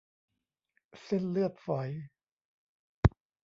เส้นเลือดฝอย